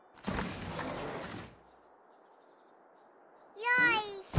よいしょ！